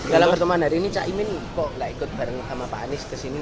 dalam pertemuan hari ini cak imin kok nggak ikut bareng sama pak anies kesini